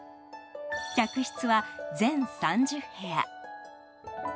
客室は全３０部屋。